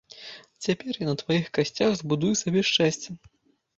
Цяпер я на тваіх касцях збудую сабе шчасце!